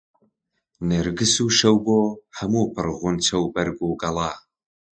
نێرگس و شەوبۆ هەموو پڕ غونچە و بەرگ و گەڵا